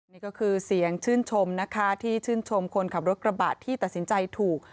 นี่ก็คือเสียงชื่นชมนะคะที่ชื่นชมคนขับรถกระบะที่ตัดสินใจถูก